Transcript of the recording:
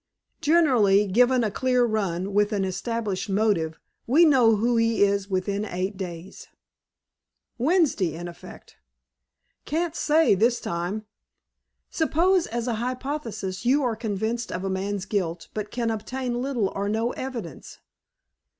"Generally, given a clear run, with an established motive, we know who he is within eight days." "Wednesday, in effect?" "Can't say, this time?" "Suppose, as a hypothesis, you are convinced of a man's guilt, but can obtain little or no evidence?"